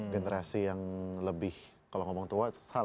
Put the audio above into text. generasi yang lebih kalau ngomong tua salah